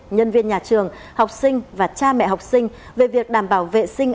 nhân viên nhà trường học sinh và cha mẹ học sinh về việc đảm bảo vệ sinh